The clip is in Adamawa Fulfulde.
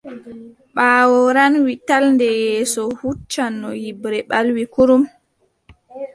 Ɓaawo ranwi tal nde yeeso huucanno nyiɓre ɓalwi kurum.